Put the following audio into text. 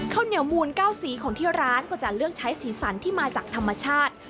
ข้าวเหนียวมูล๙สีของที่ร้านก็จะเลือกใช้สีสันที่มาจากธรรมชาติ